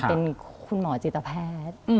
เป็นคุณหมอจิตแพทย์